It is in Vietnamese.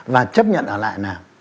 và chấp nhận ở lại nào